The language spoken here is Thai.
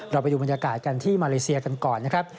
ไปดูบรรยากาศกันที่มาเลเซียกันก่อนนะครับ